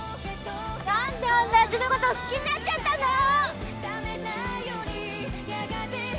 「何であんなやつのこと好きになっちゃったんだろ！」